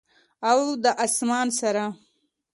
او د اسمان سره،